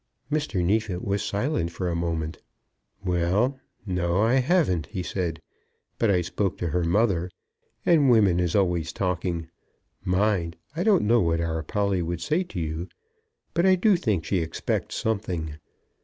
Mr. Neefit was silent for a moment, "Well, no; I haven't," he said. "But, I spoke to her mother, and women is always talking. Mind, I don't know what our Polly would say to you, but I do think she expects something.